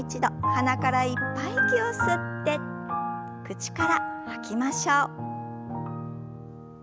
鼻からいっぱい息を吸って口から吐きましょう。